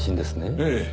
ええ。